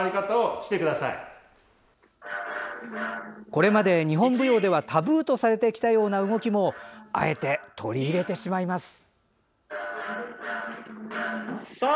これまで日本舞踊ではタブーとされてきたような動きもあえて取り入れてしまいます。